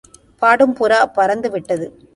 பாடும் புறா பறந்துவிட்டது!